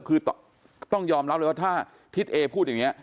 คือต้องยอมรับเลยว่าถ้าทิศเอพูดอย่างนี้